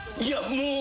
もう。